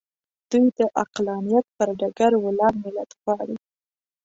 دوی د عقلانیت پر ډګر ولاړ ملت غواړي.